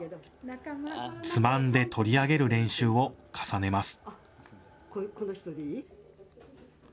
つまんで取り上げる練習を重ねます。